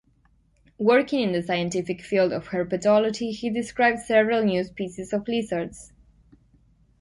Working in the scientific field of herpetology, he described several new species of lizards.